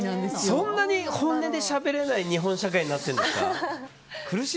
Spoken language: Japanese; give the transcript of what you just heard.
そんなに本音でしゃべれない日本社会になってるんですか。